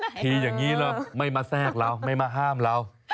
ทีอย่างนี้เราไม่มาแทรกเราไม่มาห้ามเรา